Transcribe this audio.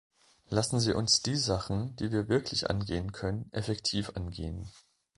Lassen Sie uns die Sachen, die wir wirklich angehen können, effektiv angehen.